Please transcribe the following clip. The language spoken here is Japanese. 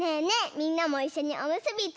みんなもいっしょにおむすびつくろう！